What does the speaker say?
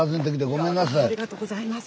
ありがとうございます。